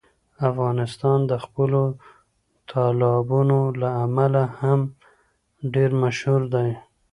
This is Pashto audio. افغانستان د خپلو تالابونو له امله هم ډېر مشهور دی.